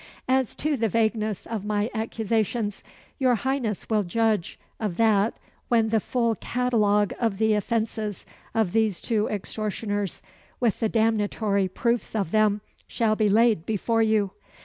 "As to the vagueness of my accusations, your Highness will judge of that when the full catalogue of the offences of these two extortioners, with the damnatory proofs of them, shall be laid before you.